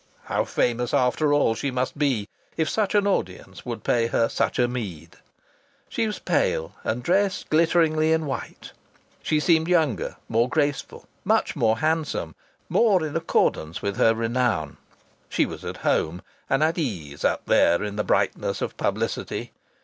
How famous, after all, she must be, if such an audience would pay her such a meed! She was pale, and dressed glitteringly in white. She seemed younger, more graceful, much more handsome, more in accordance with her renown. She was at home and at ease up there in the brightness of publicity.